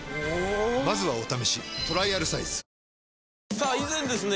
さあ以前ですね